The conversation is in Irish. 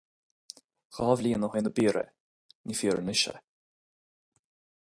Dhá bhliain ó shoin dob fhíor é – ní fíor anois é.